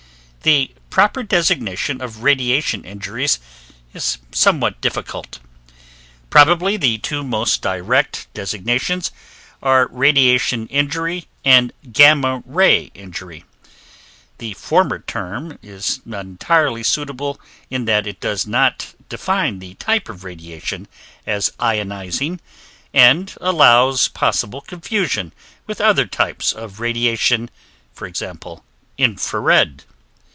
The proper designation of radiation injuries is somewhat difficult. Probably the two most direct designations are radiation injury and gamma ray injury. The former term is not entirely suitable in that it does not define the type of radiation as ionizing and allows possible confusion with other types of radiation (e.g., infra red).